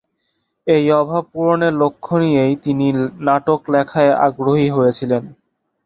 এই অভাব পূরণের লক্ষ্য নিয়েই তিনি নাটক লেখায় আগ্রহী হয়েছিলেন।